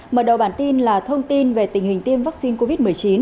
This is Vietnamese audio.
mở đầu bản tin là thông tin về tình hình tiêm vaccine covid một mươi chín